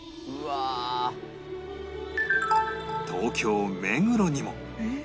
東京目黒にも